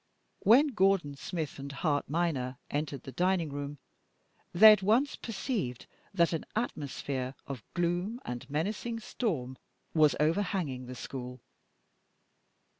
When Gordon, Smith, and Hart minor entered the dining room they at once perceived that an atmosphere of gloom and menacing storm was overhanging the school.